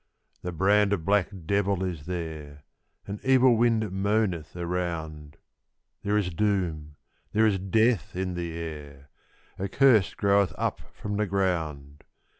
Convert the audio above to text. The brand of black devil is there an evil wind moaneth around There is doom, there is death in the air: a curse groweth up from the ground!